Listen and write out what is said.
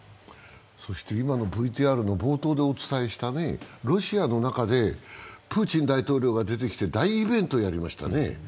そして今のＶＴＲの冒頭でお伝えした、ロシアの中でプーチン大統領が出てきて大イベントをやりましたね。